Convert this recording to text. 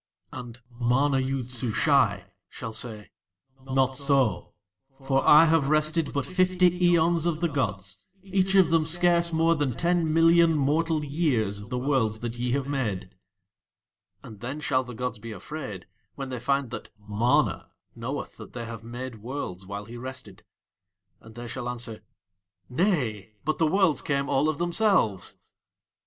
And MANA YOOD SUSHAI shall say: "Not so; for I have rested for but fifty aeons of the gods, each of them scarce more than ten million mortal years of the Worlds that ye have made." And then shall the gods be afraid when they find that MANA knoweth that they have made Worlds while he rested. And they shall answer: "Nay; but the Worlds came all of themselves."